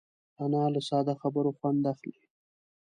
انا له ساده خبرو خوند اخلي